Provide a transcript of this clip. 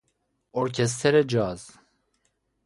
ارکستر جاز